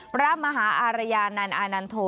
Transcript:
พระมหาอารยานันต์อานันโท